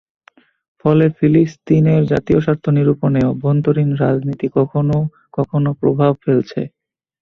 ফলে ফিলিস্তিনের জাতীয় স্বার্থ নিরূপণে অভ্যন্তরীণ রাজনীতি কখনো কখনো প্রভাব ফেলছে।